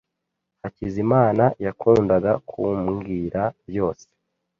Hakizimana yakundaga kumbwira byose.